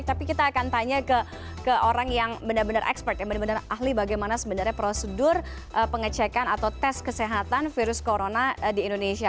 tapi kita akan tanya ke orang yang benar benar expert yang benar benar ahli bagaimana sebenarnya prosedur pengecekan atau tes kesehatan virus corona di indonesia